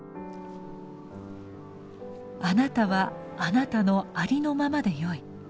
あなたはあなたのありのままでよい。